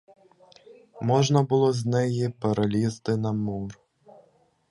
Можна було з неї перелізти на мур.